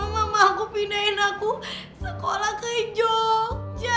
mama aku pindahin aku sekolah ke jogja